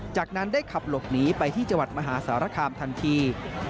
จากนั้นได้ขับหลบหนีไปที่จังหวัดมหาสารคามทันที